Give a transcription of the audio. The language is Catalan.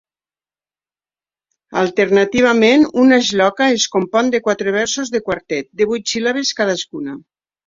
Alternativament, una "shloka" es compon de quatre versos de quartet, de vuit síl·labes cadascuna.